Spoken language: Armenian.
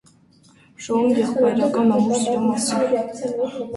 Շոուն եղբայրական ամուր սիրո մասին է։